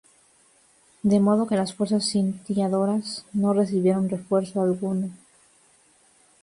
De modo que las fuerzas sitiadoras no recibieron refuerzo alguno.